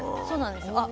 そうなんです。